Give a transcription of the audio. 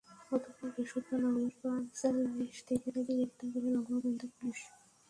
গতকাল বৃহস্পতিবার নগরের পাঁচলাইশ থেকে তাঁকে গ্রেপ্তার করে নগর গোয়েন্দা পুলিশ।